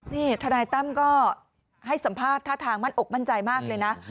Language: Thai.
นี่ทนายตั้มก็ให้สัมภาษณ์ท่าทางมั่นอกมั่นใจมากเลยนะ